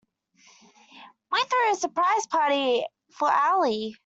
We threw a surprise birthday party for Ali.